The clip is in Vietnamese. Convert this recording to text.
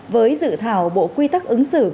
với dự thảo bộ quy tắc ứng xử